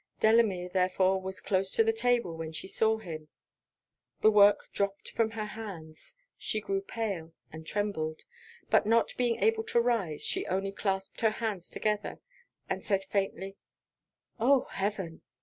Delamere therefore was close to the table when she saw him. The work dropped from her hands; she grew pale, and trembled; but not being able to rise, she only clasped her hands together, and said faintly, 'Oh! heaven!